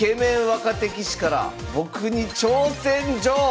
若手棋士から僕に挑戦状！